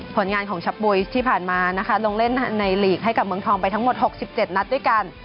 ผลงานของชะปุยสที่ผ่านมานะคะลงเล่นในหลีกให้กับเมืองทองไปทั้งหมด๖๗นัดด้วยกัน